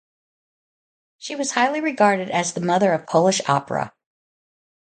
She was highly regarded as the "Mother of Polish Opera".